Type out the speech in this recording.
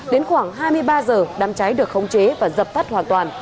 đến khoảng hai mươi ba h đám cháy được khống chế và dập tắt hoàn toàn